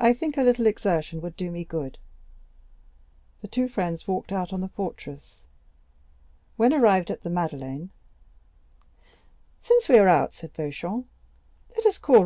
I think a little exertion would do me good." The two friends walked out on the fortress. When they arrived at the Madeleine: "Since we are out," said Beauchamp, "let us call on M.